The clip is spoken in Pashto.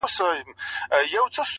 پښتانه چي له قلم سره اشنا کړو,